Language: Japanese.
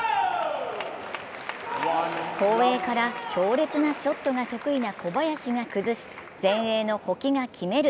後衛から強烈なショットが得意な小林が崩し、前衛の保木が決める。